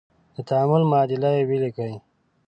د تعامل معادله یې ولیکئ.